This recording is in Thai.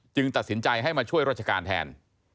ตัดสินใจให้มาช่วยราชการแทน